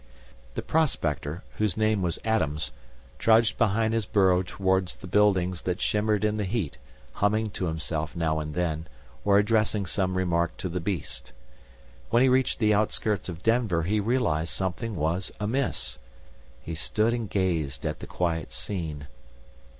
The prospector, whose name was Adams, trudged behind his burro toward the buildings that shimmered in the heat, humming to himself now and then or addressing some remark to the beast. When he reached the outskirts of Denver he realized something was amiss. He stood and gazed at the quiet scene.